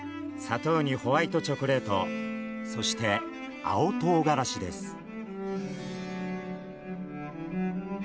砂糖にホワイトチョコレートそして青唐辛子です。